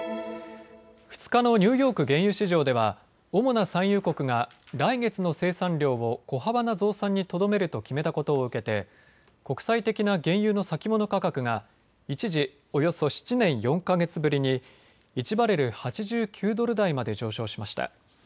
２日のニューヨーク原油市場では、主な産油国が来月の生産量を小幅な増産にとどめると決めたことを受けて国際的な原油の先物価格が一時、およそ７年４か月ぶりに１バレル８９ドル台まで上昇しました。